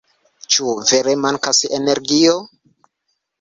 Ĉu vere mankas energio?